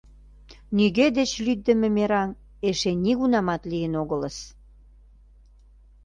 Нигӧ деч лӱддымӧ мераҥ эше нигунамат лийын огылыс.